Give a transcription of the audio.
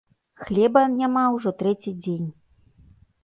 Хлеба няма ўжо трэці дзень.